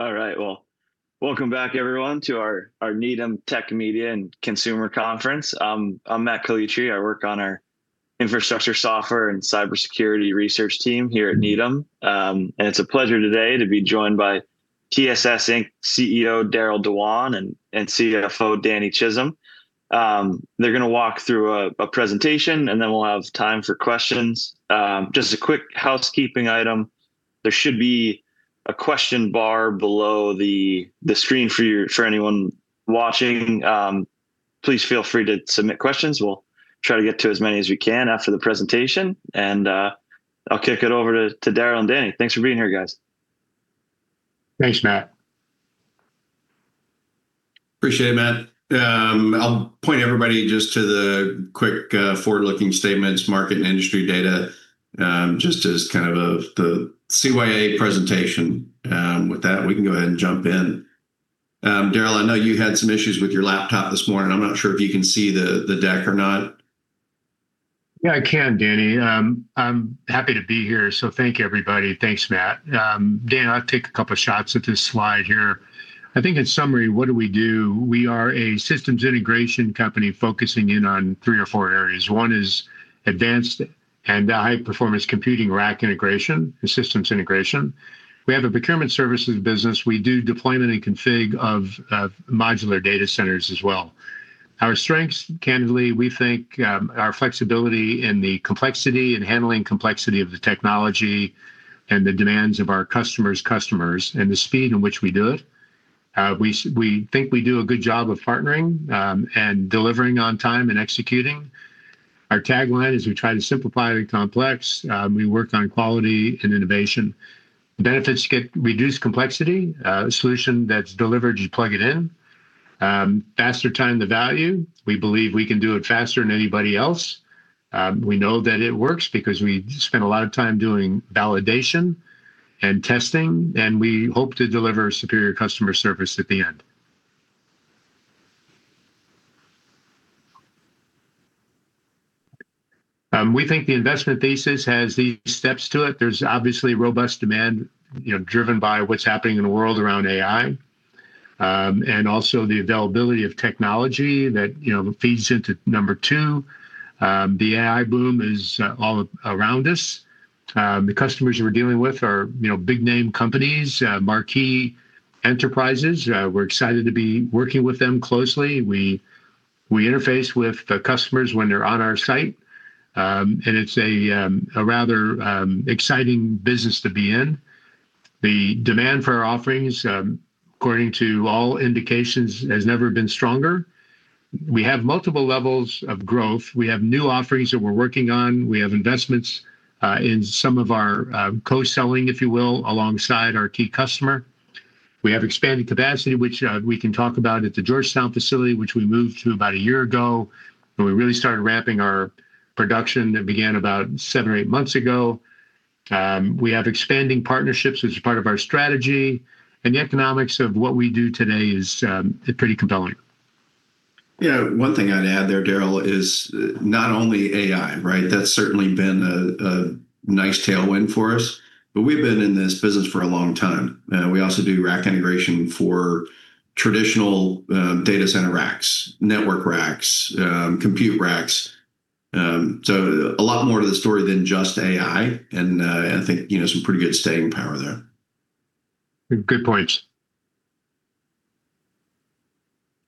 All right. Well, welcome back everyone to our Needham Tech, Media, and Consumer Conference. I'm Matt Calitri. I work on our infrastructure software and cybersecurity research team here at Needham. It's a pleasure today to be joined by TSS, Inc. CEO Darryll Dewan and CFO Danny Chism. They're gonna walk through a presentation, and then we'll have time for questions. Just a quick housekeeping item. There should be a question bar below the screen for anyone watching. Please feel free to submit questions. We'll try to get to as many as we can after the presentation. I'll kick it over to Darryll and Danny. Thanks for being here, guys. Thanks, Matt. Appreciate it, Matt. I'll point everybody just to the quick forward-looking statements, market and industry data, just as kind of the CYA presentation. With that, we can go ahead and jump in. Darryll, I know you had some issues with your laptop this morning. I'm not sure if you can see the deck or not. Yeah, I can, Danny. I'm happy to be here, so thank you, everybody. Thanks, Matt. Danny, I'll take a couple shots at this slide here. I think, in summary, what do we do? We are a systems integration company focusing in on three or four areas. One is advanced and high-performance computing rack integration and systems integration. We have a procurement services business. We do deployment and config of modular data centers as well. Our strengths, candidly, we think, our flexibility in the complexity and handling complexity of the technology and the demands of our customers' customers, and the speed in which we do it. We think we do a good job of partnering and delivering on time and executing. Our tagline is, We try to simplify the complex. We work on quality and innovation. Benefits get reduced complexity. Solution that's delivered, you plug it in. Faster time to value. We believe we can do it faster than anybody else. We know that it works because we spend a lot of time doing validation and testing, and we hope to deliver superior customer service at the end. We think the investment thesis has these steps to it. There's obviously robust demand, you know, driven by what's happening in the world around AI, and also the availability of technology that, you know, feeds into number two. The AI boom is all around us. The customers we're dealing with are, you know, big name companies, Marquee enterprises. We're excited to be working with them closely. We interface with the customers when they're on our site. It's a rather exciting business to be in. The demand for our offerings, according to all indications, has never been stronger. We have multiple levels of growth. We have new offerings that we're working on. We have investments in some of our co-selling, if you will, alongside our key customer. We have expanded capacity, which we can talk about at the Georgetown facility, which we moved to about a year ago, and we really started ramping our production that began about seven or eight months ago. We have expanding partnerships, which is part of our strategy, and the economics of what we do today is pretty compelling. You know, one thing I'd add there, Darryll, is not only AI, right? That's certainly been a nice tailwind for us, but we've been in this business for a long time. We also do rack integration for traditional data center racks, network racks, compute racks. A lot more to the story than just AI, and I think, you know, some pretty good staying power there. Good points.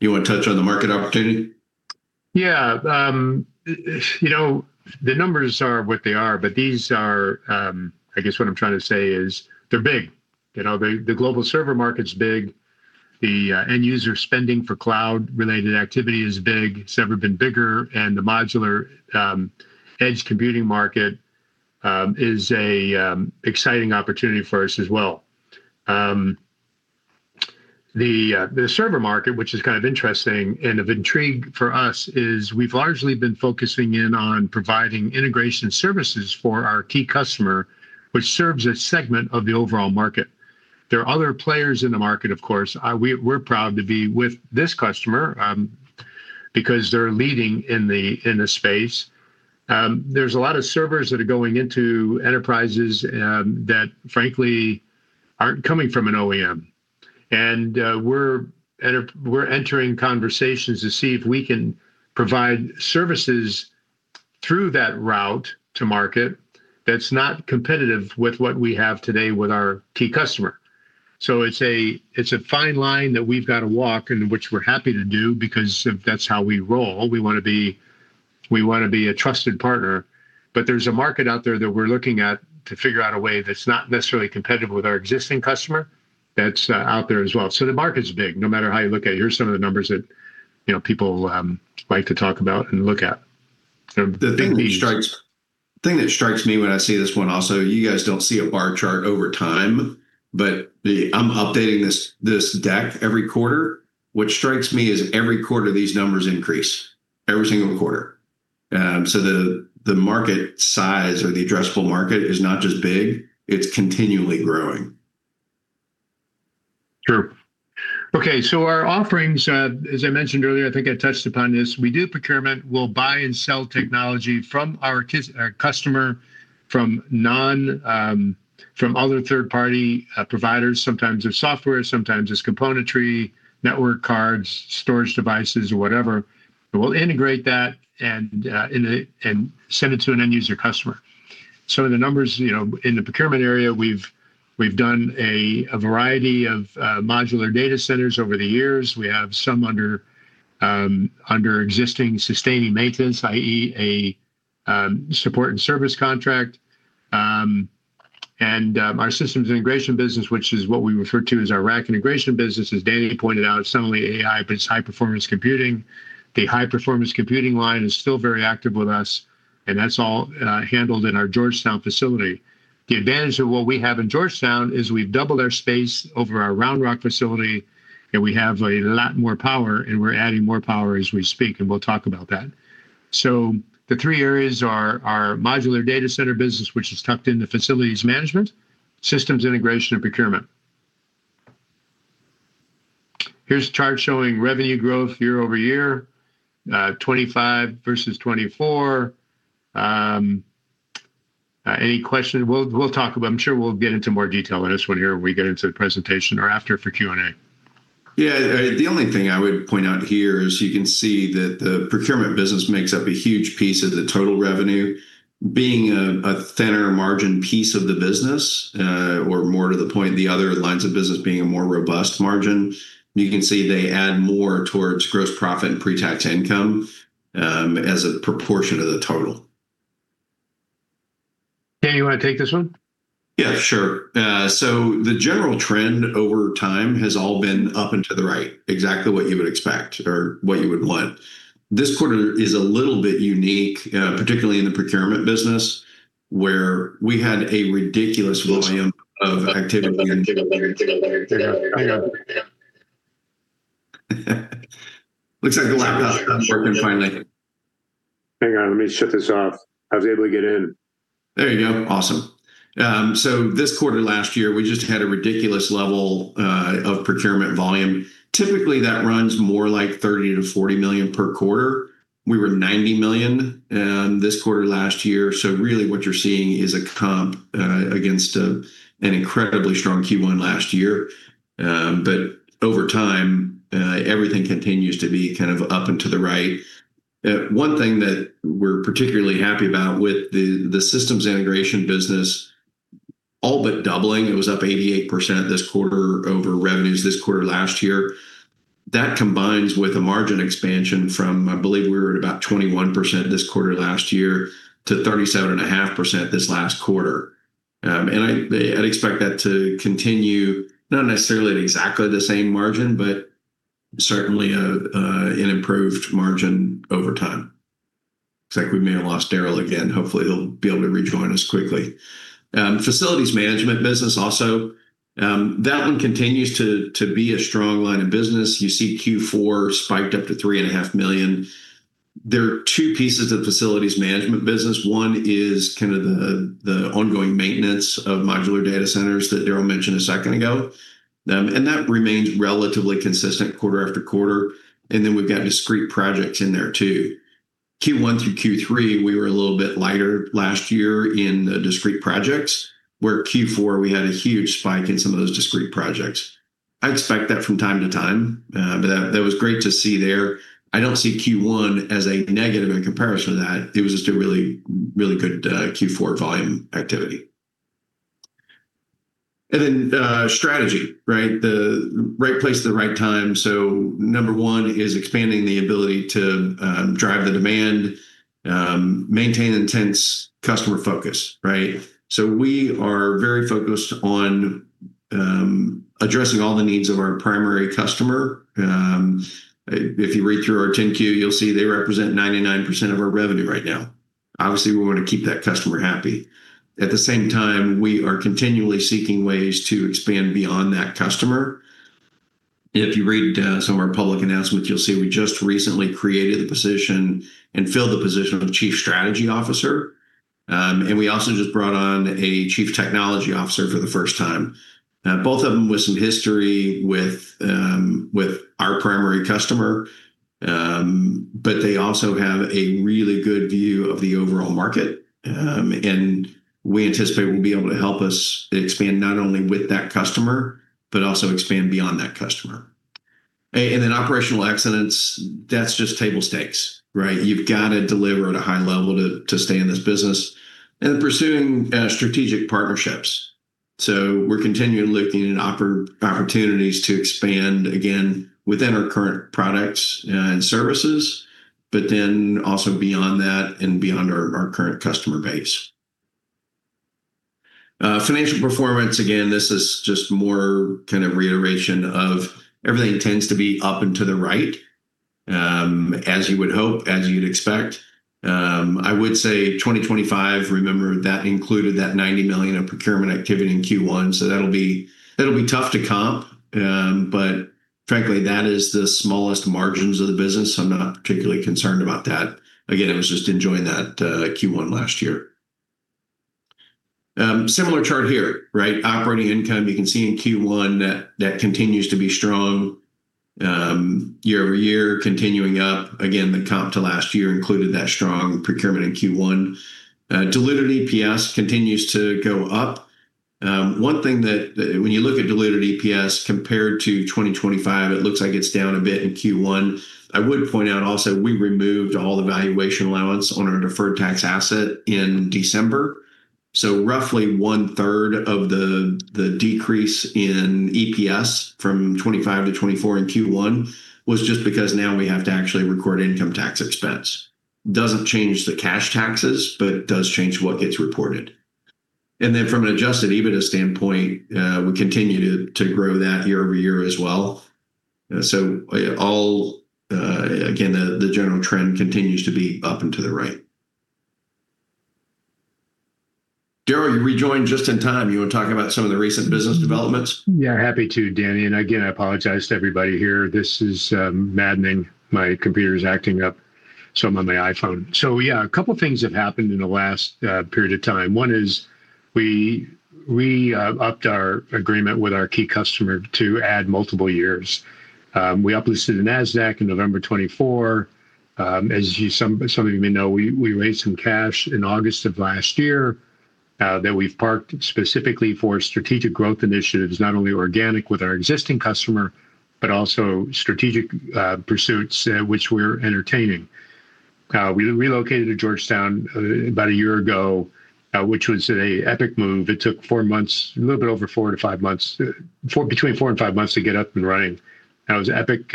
You want to touch on the market opportunity? Yeah. You know, the numbers are what they are, these are, I guess what I'm trying to say is they're big. You know, the global server market's big. The end user spending for cloud-related activity is big. It's never been bigger, the modular edge computing market is a exciting opportunity for us as well. The server market, which is kind of interesting and of intrigue for us, is we've largely been focusing in on providing integration services for our key customer, which serves a segment of the overall market. There are other players in the market, of course. We're proud to be with this customer because they're leading in the space. There's a lot of servers that are going into enterprises that frankly aren't coming from an OEM. We're entering conversations to see if we can provide services through that route to market that's not competitive with what we have today with our key customer. It's a, it's a fine line that we've got to walk, and which we're happy to do, because that's how we roll. We wanna be a trusted partner, but there's a market out there that we're looking at to figure out a way that's not necessarily competitive with our existing customer that's out there as well. The market's big, no matter how you look at it. Here's some of the numbers that, you know, people like to talk about and look at. They're big. The thing that strikes me when I see this one also, you guys don't see a bar chart over time. I'm updating this deck every quarter. What strikes me is every quarter these numbers increase, every single quarter. The market size or the addressable market is not just big, it's continually growing. Okay, our offerings, as I mentioned earlier, I think I touched upon this, we do procurement. We'll buy and sell technology from our customer, from non, from other third-party providers, sometimes it's software, sometimes it's componentry, network cards, storage devices or whatever. We'll integrate that and send it to an end user customer. The numbers, you know, in the procurement area, we've done a variety of modular data centers over the years. We have some under existing sustaining maintenance, i.e., a support and service contract. Our systems integration business, which is what we refer to as our rack integration business, as Danny pointed out, it's suddenly AI, but it's high-performance computing. The high-performance computing line is still very active with us, and that's all handled in our Georgetown facility. The advantage of what we have in Georgetown is we've doubled our space over our Round Rock facility, and we have a lot more power, and we're adding more power as we speak, and we'll talk about that. The three areas are our modular data center business, which is tucked into facilities management, systems integration and procurement. Here's a chart showing revenue growth year-over-year, 2025 versus 2024. Any question, we'll talk about I'm sure we'll get into more detail on this one here when we get into the presentation or after for Q&A. Yeah. The only thing I would point out here is you can see that the procurement business makes up a huge piece of the total revenue. Being a thinner margin piece of the business, or more to the point, the other lines of business being a more robust margin, you can see they add more towards gross profit and pre-tax income as a proportion of the total. Danny, you want to take this one? Yeah, sure. The general trend over time has all been up and to the right, exactly what you would expect or what you would want. This quarter is a little bit unique, particularly in the procurement business, where we had a ridiculous volume of activity. Looks like the laptop's working finally. Hang on, let me shut this off. I was able to get in. There you go. Awesome. This quarter last year, we just had a ridiculous level of procurement volume. Typically, that runs more like $30 million-$40 million per quarter. We were $90 million this quarter last year, so really what you're seeing is a comp against an incredibly strong Q1 last year. Over time, everything continues to be kind of up and to the right. One thing that we're particularly happy about with the systems integration business all but doubling. It was up 88% this quarter over revenues this quarter last year. That combines with a margin expansion from, I believe we were at about 21% this quarter last year, to 37.5% this last quarter. I'd expect that to continue, not necessarily at exactly the same margin, but certainly an improved margin over time. Looks like we may have lost Darryll again. Hopefully, he'll be able to rejoin us quickly. Facilities management business also, that one continues to be a strong line of business. You see Q4 spiked up to $3.5 million. There are two pieces of facilities management business. One is kind of the ongoing maintenance of modular data centers that Darryll mentioned a second ago. That remains relatively consistent quarter-after-quarter. Then we've got discrete projects in there too. Q1 through Q3, we were a little bit lighter last year in the discrete projects, where Q4 we had a huge spike in some of those discrete projects. I expect that from time to time, but that was great to see there. I don't see Q1 as a negative in comparison to that. It was just a really good Q4 volume activity. Strategy, right? The right place at the right time. Number one is expanding the ability to drive the demand, maintain intense customer focus, right? We are very focused on addressing all the needs of our primary customer. If you read through our 10-Q, you'll see they represent 99% of our revenue right now. Obviously, we wanna keep that customer happy. At the same time, we are continually seeking ways to expand beyond that customer. If you read some of our public announcements, you'll see we just recently created the position and filled the position of Chief Strategy Officer. And we also just brought on a Chief Technology Officer for the first time. Both of them with some history with our primary customer, but they also have a really good view of the overall market. We anticipate will be able to help us expand not only with that customer, but also expand beyond that customer. Then operational excellence, that's just table stakes, right? You've got to deliver at a high level to stay in this business. Pursuing strategic partnerships. We're continuing looking at opportunities to expand again within our current products and services, but then also beyond that and beyond our current customer base. Financial performance, again, this is just more kind of reiteration of everything tends to be up and to the right, as you would hope, as you'd expect. I would say 2025, remember that included that $90 million of procurement activity in Q1, that'll be tough to comp. Frankly, that is the smallest margins of the business, I'm not particularly concerned about that. Again, it was just enjoying that Q1 last year. Similar chart here, right? Operating income, you can see in Q1 that continues to be strong, year-over-year, continuing up. Again, the comp to last year included that strong procurement in Q1. Diluted EPS continues to go up. One thing that when you look at diluted EPS compared to 2025, it looks like it's down a bit in Q1. I would point out also, we removed all the valuation allowance on our deferred tax asset in December. Roughly 1/3 of the decrease in EPS from 2025-2024 in Q1 was just because now we have to actually record income tax expense. Doesn't change the cash taxes, but does change what gets reported. From an adjusted EBITDA standpoint, we continue to grow that year-over-year as well. All again, the general trend continues to be up and to the right. Darryll, you rejoined just in time. You were talking about some of the recent business developments. Yeah, happy to, Danny. Again, I apologize to everybody here. This is maddening. My computer's acting up, so I'm on my iPhone. Yeah, two things have happened in the last period of time. One is we upped our agreement with our key customer to add multiple years. We uplisted in Nasdaq in November 2024. As some of you may know, we raised some cash in August of last year that we've parked specifically for strategic growth initiatives, not only organic with our existing customer, but also strategic pursuits which we're entertaining. We relocated to Georgetown about a year ago, which was a epic move. It took four months, a little bit over 4-5 months, between 4-5 months to get up and running. That was epic,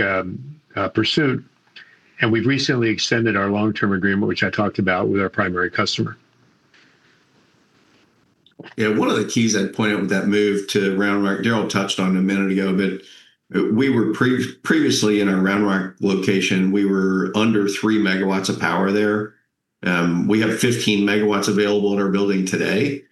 pursuit. We've recently extended our long-term agreement, which I talked about, with our primary customer. Yeah. One of the keys I'd point out with that move to Round Rock, Darryll touched on it a minute ago, but we were previously in our Round Rock location, we were under 3 MW of power there. We have 15 MW available in our building today,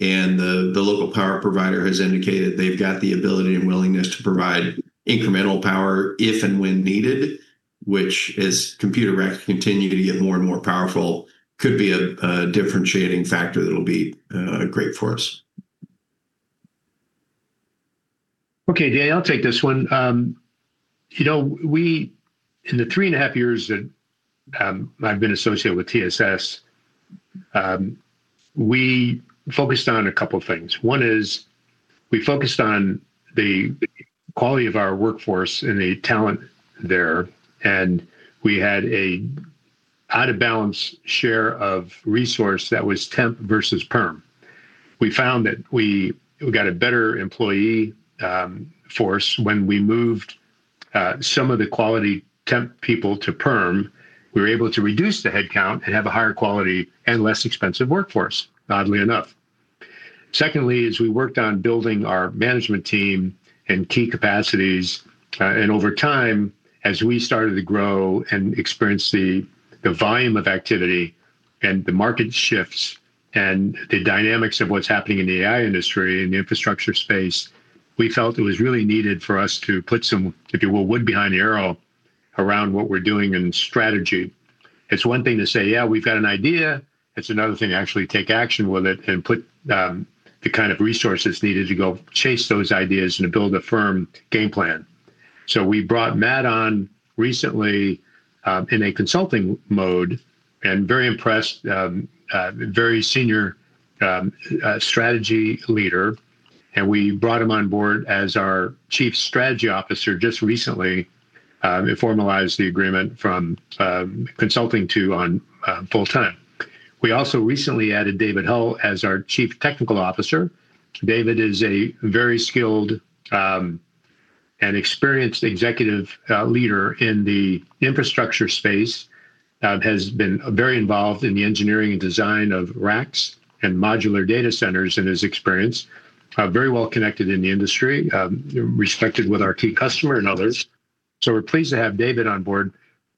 and the local power provider has indicated they've got the ability and willingness to provide incremental power if and when needed, which as computer racks continue to get more and more powerful could be a differentiating factor that'll be great for us. Okay, Danny, I'll take this one. You know, in the three and a half years that I've been associated with TSS, we focused on a couple things. One is we focused on the quality of our workforce and the talent there, and we had a out-of-balance share of resource that was temp versus perm. We found that we got a better employee force when we moved some of the quality temp people to perm. We were able to reduce the headcount and have a higher quality and less expensive workforce, oddly enough. Secondly is we worked on building our management team and key capacities. Over time, as we started to grow and experience the volume of activity and the market shifts and the dynamics of what's happening in the AI industry and the infrastructure space, we felt it was really needed for us to put some, if you will, wood behind the arrow around what we're doing and strategy. It's one thing to say, Yeah, we've got an idea. It's another thing to actually take action with it and put the kind of resources needed to go chase those ideas and to build a firm game plan. We brought Matt on recently in a consulting mode, and very impressed, very senior strategy leader, and we brought him on board as our Chief Strategy Officer just recently and formalized the agreement from consulting to on full-time. We also recently added David Hull as our Chief Technology Officer. David is a very skilled and experienced executive leader in the infrastructure space, has been very involved in the engineering and design of racks and modular data centers in his experience, very well connected in the industry, respected with our key customer and others. We're pleased to have David on board.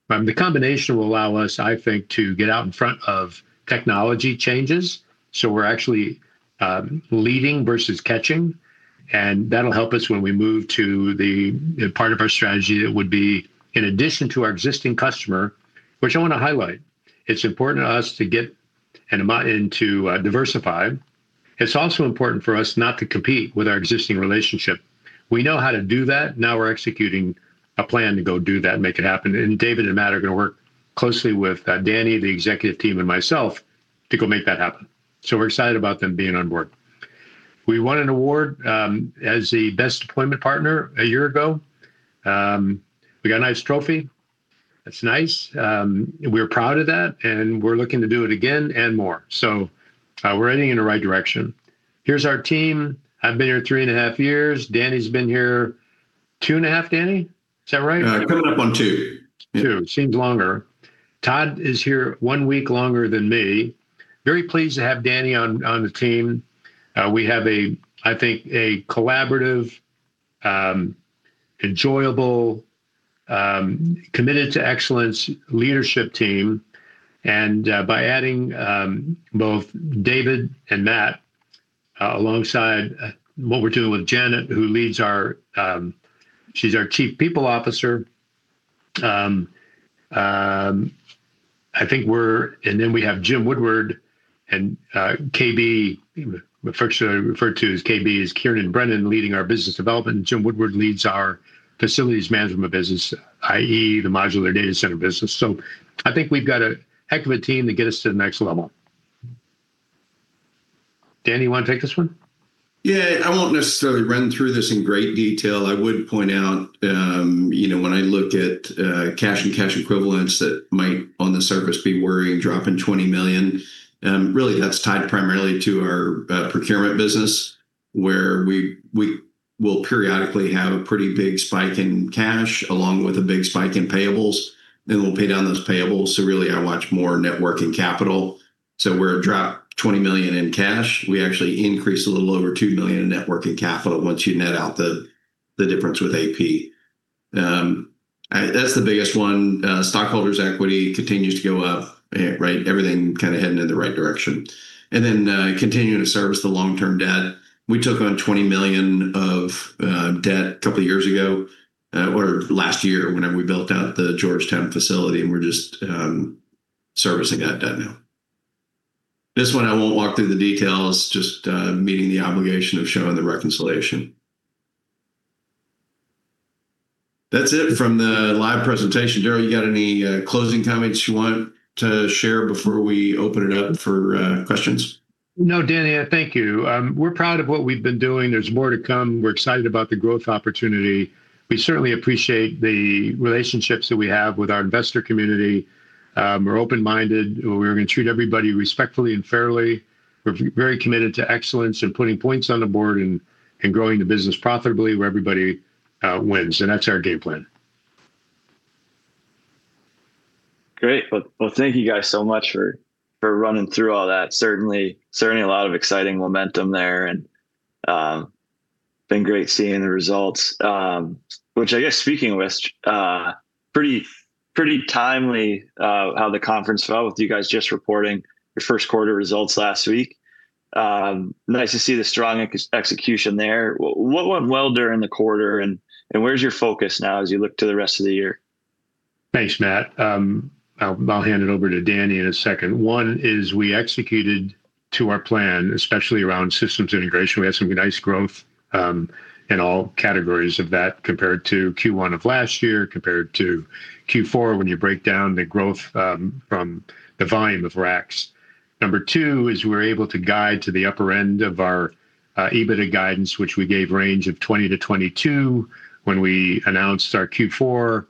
The combination will allow us, I think, to get out in front of technology changes, so we're actually leading versus catching, that'll help us when we move to the part of our strategy that would be in addition to our existing customer, which I want to highlight. It's important to us to get and to diversify. It's also important for us not to compete with our existing relationship. We know how to do that. We're executing a plan to go do that and make it happen. David and Matt are going to work closely with Danny, the executive team, and myself to go make that happen. We're excited about them being on board. We won an award as the Best Deployment Partner a year ago. We got a nice trophy. It's nice. We're proud of that, and we're looking to do it again and more. We're heading in the right direction. Here's our team. I've been here three and a half years. Danny's been here two and a half, Danny? Is that right? coming up on two. Two. Seems longer. Todd is here 1 week longer than me. Very pleased to have Danny on the team. We have a collaborative, enjoyable, committed to excellence leadership team. By adding both David and Matt alongside what we're doing with Janet, who leads our, she's our Chief People Officer. We have Jim Woodward and KB, refer to as KB as Kieran Brennan leading our business development. Jim Woodward leads our facilities management business, i.e., the modular data center business. I think we've got a heck of a team to get us to the next level. Danny, you want to take this one? Yeah. I won't necessarily run through this in great detail. I would point out, you know, when I look at cash and cash equivalents that might on the surface be worrying, dropping $20 million, really that's tied primarily to our procurement business, where we will periodically have a pretty big spike in cash along with a big spike in payables, then we'll pay down those payables. Really I watch more networking capital. We're a drop $20 million in cash. We actually increase a little over $2 million in networking capital once you net out the difference with AP. That's the biggest one. Stockholders' equity continues to go up, right? Everything kind of heading in the right direction. Continuing to service the long-term debt. We took on $20 million of debt a couple of years ago, or last year whenever we built out the Georgetown facility, and we're just servicing that debt now. This one, I won't walk through the details, just meeting the obligation of showing the reconciliation. That's it from the live presentation. Darryll you got any closing comments you want to share before we open it up for questions? No, Danny. Thank you. We're proud of what we've been doing. There's more to come. We're excited about the growth opportunity. We certainly appreciate the relationships that we have with our investor community. We're open-minded. We're gonna treat everybody respectfully and fairly. We're very committed to excellence and putting points on the board and growing the business profitably where everybody wins, and that's our game plan. Great. Well, thank you guys so much for running through all that. Certainly a lot of exciting momentum there, and been great seeing the results, which I guess speaking with pretty timely how the conference fell with you guys just reporting your first quarter results last week. Nice to see the strong execution there. What went well during the quarter and where's your focus now as you look to the rest of the year? Thanks, Matt. I'll hand it over to Danny in a second. One is we executed to our plan, especially around systems integration. We had some nice growth in all categories of that compared to Q1 of last year, compared to Q4, when you break down the growth from the volume of racks. Number two is we're able to guide to the upper end of our EBITDA guidance, which we gave range of $20 million-$22 million when we announced our Q4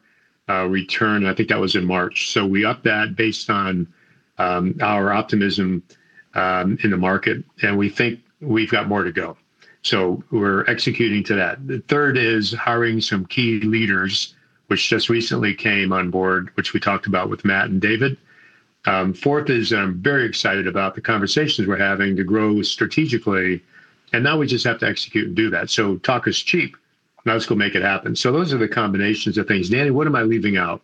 return. I think that was in March. We upped that based on our optimism in the market, and we think we've got more to go. We're executing to that. The third is hiring some key leaders, which just recently came on board, which we talked about with Matt and David. Fourth is I'm very excited about the conversations we're having to grow strategically, now we just have to execute and do that. Talk is cheap. Now let's go make it happen. Those are the combinations of things. Danny, what am I leaving out?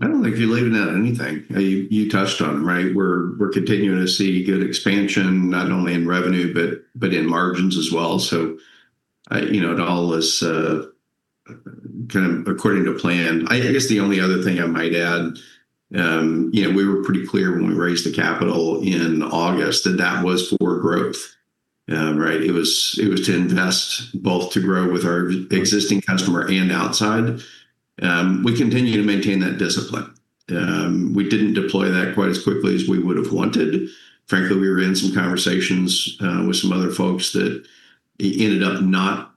I don't think you're leaving out anything. You touched on them, right? We're continuing to see good expansion, not only in revenue, but in margins as well. You know, all this kind of according to plan. I guess the only other thing I might add, you know, we were pretty clear when we raised the capital in August that that was for growth, right? It was to invest both to grow with our existing customer and outside. We continue to maintain that discipline. We didn't deploy that quite as quickly as we would have wanted. Frankly, we were in some conversations with some other folks that ended up not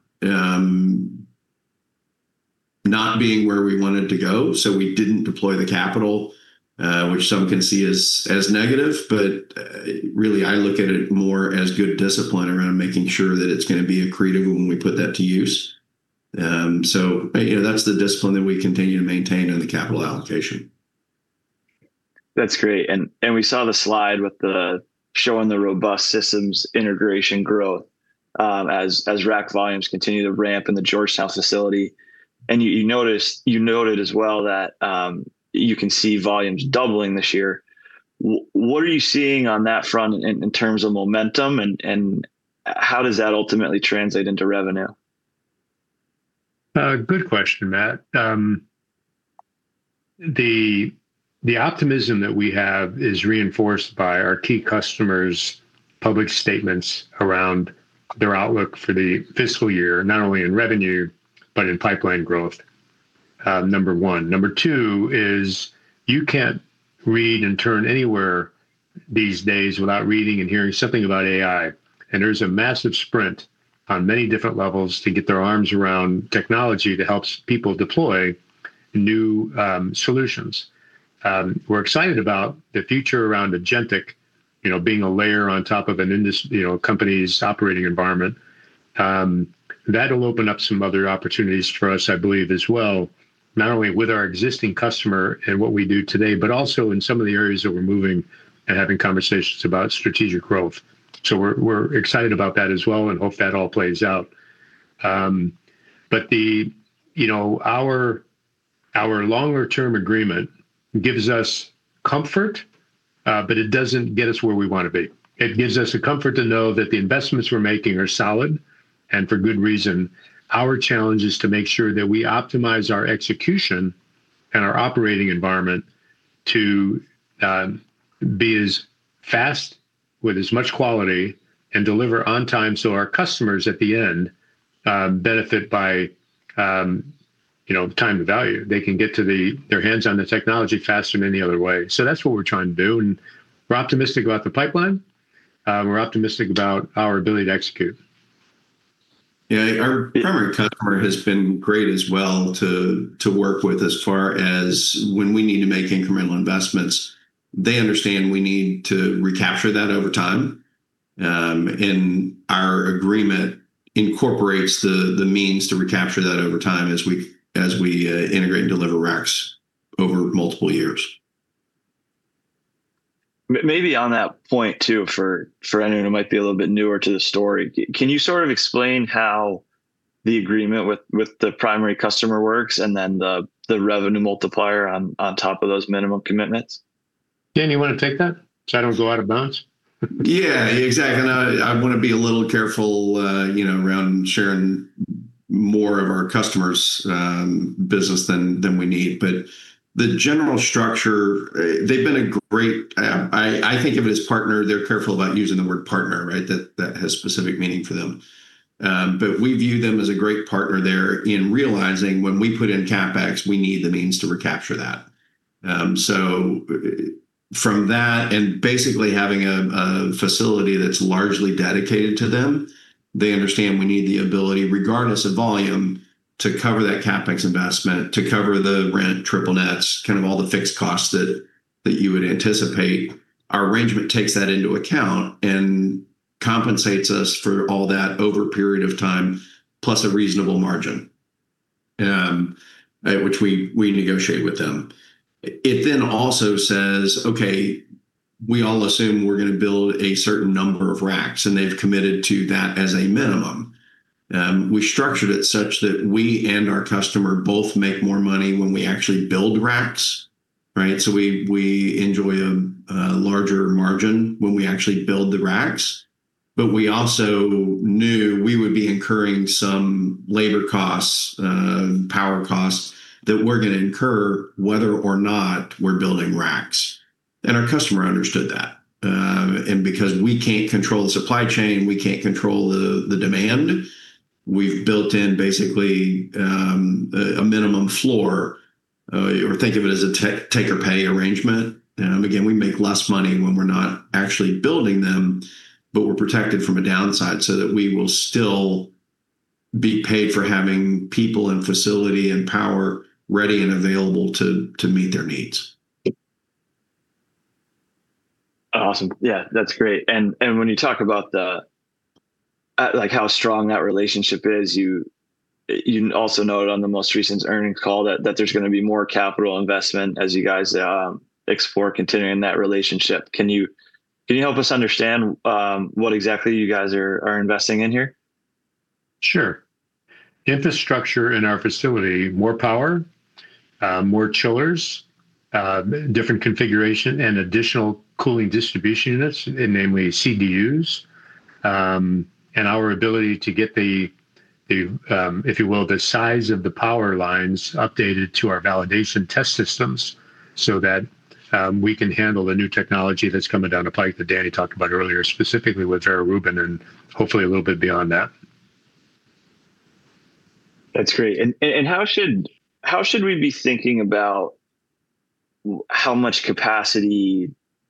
being where we wanted to go. We didn't deploy the capital, which some can see as negative, but, really, I look at it more as good discipline around making sure that it's gonna be accretive when we put that to use. You know, that's the discipline that we continue to maintain in the capital allocation. That's great. We saw the slide with the showing the robust systems integration growth, as rack volumes continue to ramp in the Georgetown facility. You noted as well that you can see volumes doubling this year. What are you seeing on that front in terms of momentum, and how does that ultimately translate into revenue? Good question, Matt. The optimism that we have is reinforced by our key customers' public statements around their outlook for the fiscal year, not only in revenue, but in pipeline growth, number one. Number two is you can't read and turn anywhere these days without reading and hearing something about AI. There's a massive sprint on many different levels to get their arms around technology that helps people deploy new solutions. We're excited about the future around agentic, you know, being a layer on top of you know, company's operating environment. That'll open up some other opportunities for us, I believe, as well, not only with our existing customer and what we do today, but also in some of the areas that we're moving and having conversations about strategic growth. We're excited about that as well and hope that all plays out. You know, our longer-term agreement gives us comfort. It doesn't get us where we wanna be. It gives us a comfort to know that the investments we're making are solid, and for good reason. Our challenge is to make sure that we optimize our execution and our operating environment to be as fast with as much quality and deliver on time so our customers at the end benefit by, you know, time to value. They can get their hands on the technology faster than any other way. That's what we're trying to do, and we're optimistic about the pipeline, we're optimistic about our ability to execute. Yeah. Our primary customer has been great as well to work with as far as when we need to make incremental investments, they understand we need to recapture that over time. Our agreement incorporates the means to recapture that over time as we integrate and deliver racks over multiple years. Maybe on that point too, for anyone who might be a little bit newer to the story, can you sort of explain how the agreement with the primary customer works and then the revenue multiplier on top of those minimum commitments? Danny, you wanna take that so I don't go out of bounds? Yeah, exactly. I wanna be a little careful, you know, around sharing more of our customer's business than we need. The general structure, they've been a great I think of it as partner. They're careful about using the word partner, right? That has specific meaning for them. We view them as a great partner there in realizing when we put in CapEx, we need the means to recapture that. From that and basically having a facility that's largely dedicated to them, they understand we need the ability, regardless of volume, to cover that CapEx investment, to cover the rent, triple net, kind of all the fixed costs that you would anticipate. Our arrangement takes that into account and compensates us for all that over a period of time, plus a reasonable margin, which we negotiate with them. It then also says, okay, we all assume we're gonna build a certain number of racks, and they've committed to that as a minimum. We structured it such that we and our customer both make more money when we actually build racks, right? We enjoy a larger margin when we actually build the racks. We also knew we would be incurring some labor costs, power costs that we're gonna incur whether or not we're building racks, and our customer understood that. Because we can't control the supply chain, we can't control the demand, we've built in basically a minimum floor. Think of it as a take or pay arrangement. Again, we make less money when we're not actually building them, but we're protected from a downside so that we will still be paid for having people and facility and power ready and available to meet their needs. Awesome. Yeah, that's great. When you talk about the like how strong that relationship is, you also note on the most recent earnings call that there's gonna be more capital investment as you guys explore continuing that relationship. Can you help us understand what exactly you guys are investing in here? Sure. Infrastructure in our facility, more power, more chillers, different configuration and additional Cooling Distribution Units, namely CDUs, and our ability to get the, if you will, the size of the power lines updated to our validation test systems so that we can handle the new technology that's coming down the pipe that Danny talked about earlier, specifically with [Arabia] and hopefully a little bit beyond that. That's great. How should we be thinking about how much capacity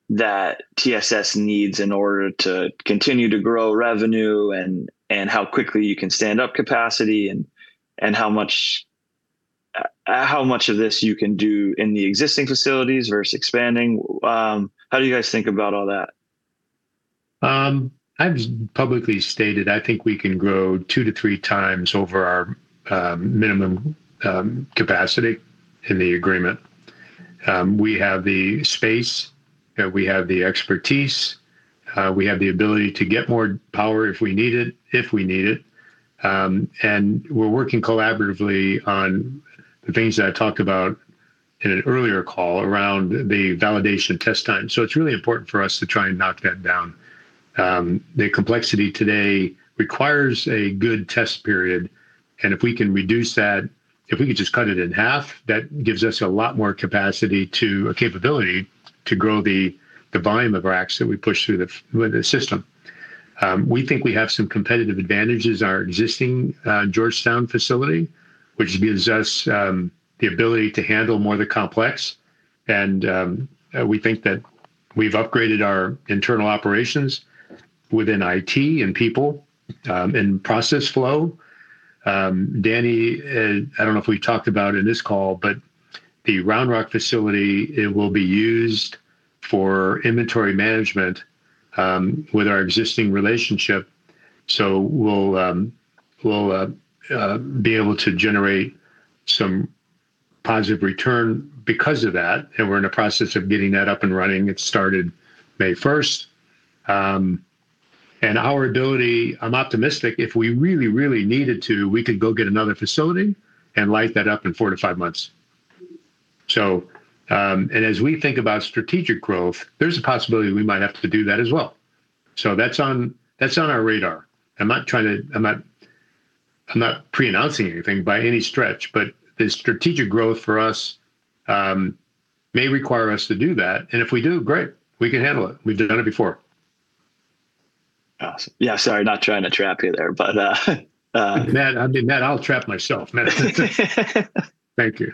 that TSS needs in order to continue to grow revenue and how quickly you can stand up capacity and how much of this you can do in the existing facilities versus expanding? How do you guys think about all that? I've publicly stated, I think we can grow 2x to 3x times over our minimum capacity in the agreement. We have the space, we have the expertise, we have the ability to get more power if we need it. We're working collaboratively on the things that I talked about in an earlier call around the validation test time. It's really important for us to try and knock that down. The complexity today requires a good test period, and if we can reduce that, if we could just cut it in half, that gives us a lot more capacity to or capability to grow the volume of racks that we push through with the system. We think we have some competitive advantages. Our existing Georgetown facility, which gives us the ability to handle more of the complex. We think that we've upgraded our internal operations within IT and people and process flow. Danny, I don't know if we talked about in this call, but the Round Rock facility, it will be used for inventory management with our existing relationship. We'll be able to generate some positive return because of that, and we're in the process of getting that up and running. It started May 1st. Our ability, I'm optimistic, if we really needed to, we could go get another facility and light that up in 4-5 months. As we think about strategic growth, there's a possibility we might have to do that as well. That's on our radar. I'm not pre-announcing anything by any stretch, but the strategic growth for us may require us to do that, and if we do, great, we can handle it. We've done it before. Awesome. Yeah, sorry, not trying to trap you there, but. Matt, I mean, Matt, I'll trap myself, Matt. Thank you.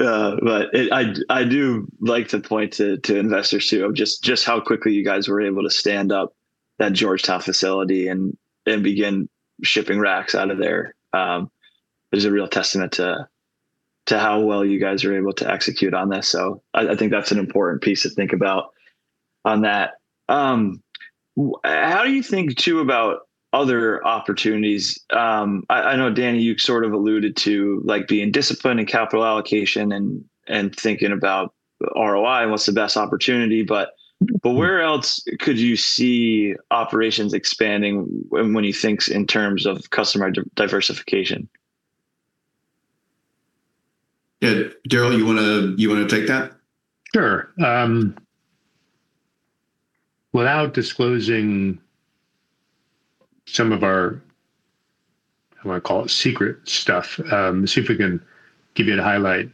I do like to point to investors too of just how quickly you guys were able to stand up that Georgetown facility and begin shipping racks out of there. It is a real testament to how well you guys are able to execute on this. I think that's an important piece to think about on that. How do you think too about other opportunities? I know Danny, you sort of alluded to, like, being disciplined in capital allocation and thinking about ROI and what's the best opportunity. Where else could you see operations expanding when you think in terms of customer diversification? Yeah. Darryll, you wanna take that? Sure. Without disclosing some of our, I wanna call it secret stuff, see if we can give you the highlight.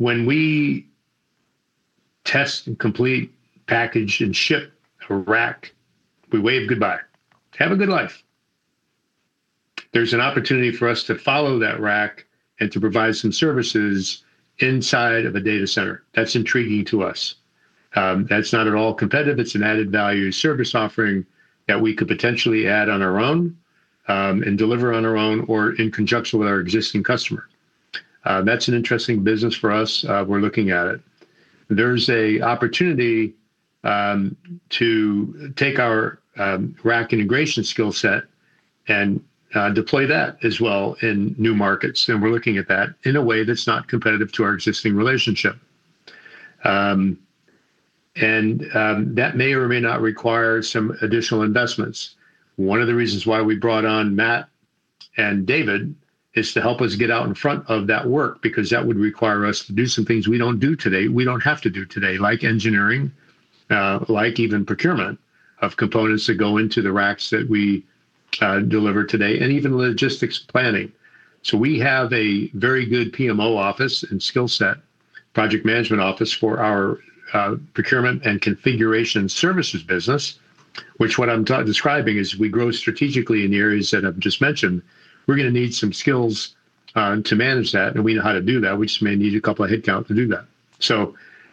When we test and complete, package, and ship a rack, we wave goodbye. Have a good life. There's an opportunity for us to follow that rack and to provide some services inside of a data center. That's intriguing to us. That's not at all competitive. It's an added value service offering that we could potentially add on our own and deliver on our own or in conjunction with our existing customer. That's an interesting business for us. We're looking at it. There's a opportunity to take our rack integration skill set and deploy that as well in new markets, and we're looking at that in a way that's not competitive to our existing relationship. That may or may not require some additional investments. One of the reasons why we brought on Matt and David is to help us get out in front of that work because that would require us to do some things we don't do today, we don't have to do today, like engineering, like even procurement of components that go into the racks that we deliver today, and even logistics planning. We have a very good PMO office and skill set, project management office, for our procurement and configuration services business, which what I'm describing is we grow strategically in the areas that I've just mentioned. We're gonna need some skills to manage that, and we know how to do that. We just may need a couple of headcount to do that.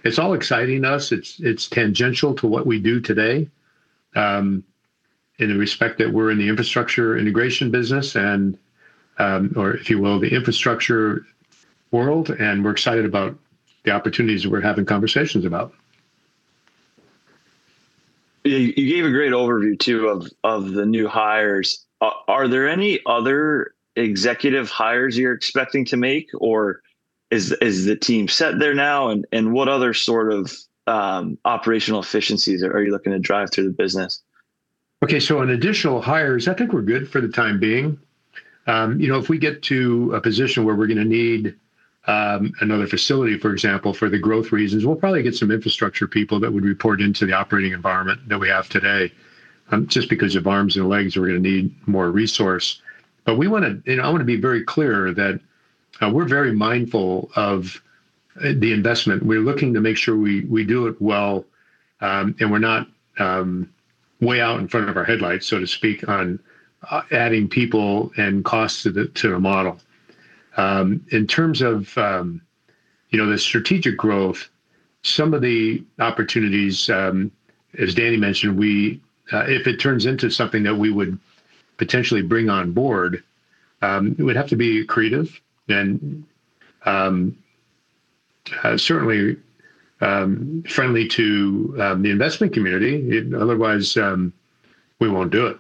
It's all exciting to us. It's tangential to what we do today, in the respect that we're in the infrastructure integration business or if you will, the infrastructure world, and we're excited about the opportunities that we're having conversations about. Yeah, you gave a great overview too of the new hires. Are there any other executive hires you're expecting to make, or is the team set there now, and what other sort of operational efficiencies are you looking to drive through the business? Okay. On additional hires, I think we're good for the time being. You know, if we get to a position where we're gonna need another facility, for example, for the growth reasons, we'll probably get some infrastructure people that would report into the operating environment that we have today, just because of arms and legs, we're gonna need more resource. You know, I wanna be very clear that we're very mindful of the investment. We're looking to make sure we do it well, and we're not way out in front of our headlights, so to speak, on adding people and costs to the model. In terms of, you know, the strategic growth, some of the opportunities, as Danny mentioned, if it turns into something that we would potentially bring on board, it would have to be creative and certainly friendly to the investment community. Otherwise, we won't do it.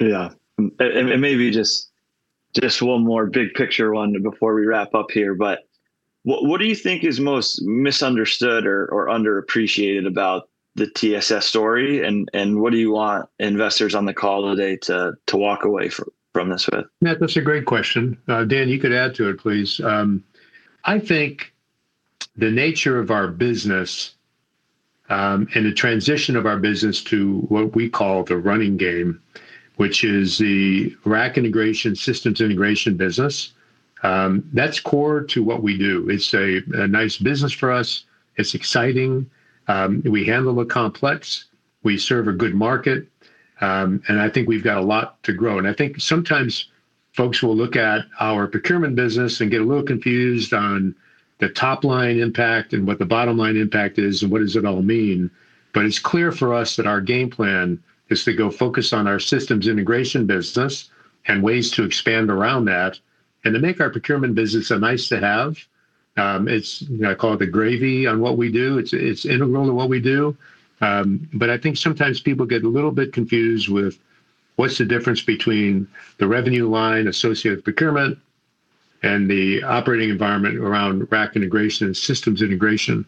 Yeah. Maybe just one more big picture one before we wrap up here, but what do you think is most misunderstood or underappreciated about the TSS story, and what do you want investors on the call today to walk away from this with? Matt, that's a great question. Danny, you could add to it, please. I think the nature of our business, and the transition of our business to what we call the running game, which is the rack integration, systems integration business, that's core to what we do. It's a nice business for us. It's exciting. We handle it complex. We serve a good market. I think we've got a lot to grow. I think sometimes folks will look at our procurement business and get a little confused on the top line impact and what the bottom line impact is, and what does it all mean. It's clear for us that our game plan is to go focus on our systems integration business and ways to expand around that, and to make our procurement business a nice to have. It's, you know, I call it the gravy on what we do. It's, it's integral to what we do. But I think sometimes people get a little bit confused with what's the difference between the revenue line associated with procurement and the operating environment around rack integration and systems integration.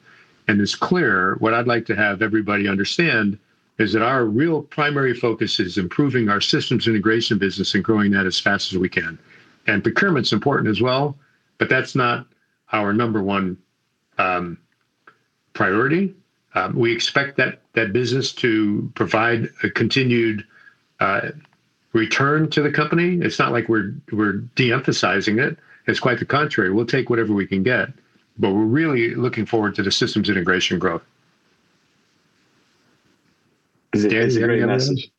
It's clear, what I'd like to have everybody understand is that our real primary focus is improving our systems integration business and growing that as fast as we can. Procurement's important as well, but that's not our number one priority. We expect that business to provide a continued return to the company. It's not like we're de-emphasizing it. It's quite the contrary. We'll take whatever we can get, but we're really looking forward to the systems integration growth. Is it- Danny, you got anything to add? a great message.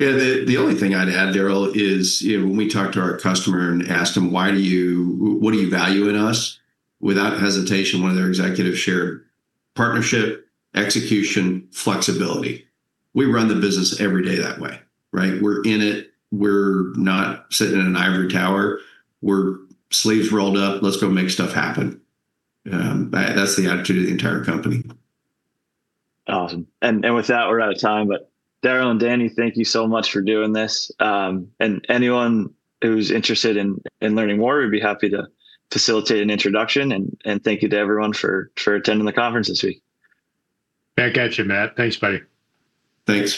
Yeah. The only thing I'd add, Darryll, is, you know, when we talk to our customer and ask them, What do you value in us? Without hesitation, one of their executives shared, "Partnership, execution, flexibility." We run the business every day that way, right? We're in it. We're not sitting in an ivory tower. We're sleeves rolled up, let's go make stuff happen. That's the attitude of the entire company. Awesome. With that, we're out of time. Darryll and Danny, thank you so much for doing this. Anyone who's interested in learning more, we'd be happy to facilitate an introduction, and thank you to everyone for attending the conference this week. Back at you, Matt. Thanks, buddy. Thanks.